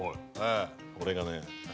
これがね